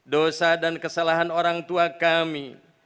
dosa dan kesalahan orang tua kami